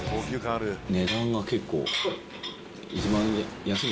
値段が結構。